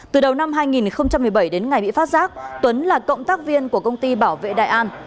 từ đầu năm hai nghìn một mươi bảy đến ngày bị phát giác tuấn là cộng tác viên của công ty bảo vệ đại an